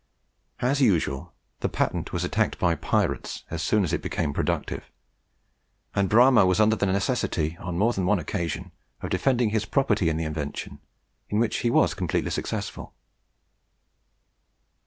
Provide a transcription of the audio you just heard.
As usual, the patent was attacked by pirates so soon as it became productive, and Bramah was under the necessity, on more than one occasion, of defending his property in the invention, in which he was completely successful.